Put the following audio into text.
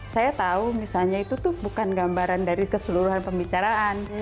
saya tahu misalnya itu tuh bukan gambaran dari keseluruhan pembicaraan